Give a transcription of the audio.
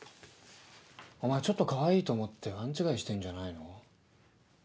お前ちょっとかわいいと思って勘違いしてるんじゃないの？